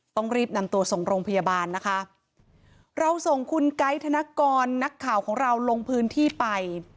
ต้องรีบนำตัวส่งโรงพยาบาลนะคะเราส่งคุณไกด์ธนกรนักข่าวของเราลงพื้นที่ไป